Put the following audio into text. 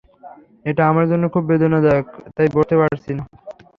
এটা আমার জন্য খুব বেদনাদায়ক তাই বসতে পারছি না।